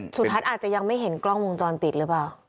สุทัศน์อาจจะยังไม่เห็นกล้องวงจรปิดหรือเปล่า